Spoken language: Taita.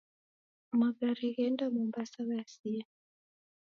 Magare gheenda Mombasa ghasia